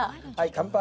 乾杯！